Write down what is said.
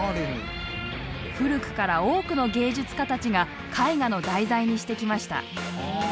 古くから多くの芸術家たちが絵画の題材にしてきました。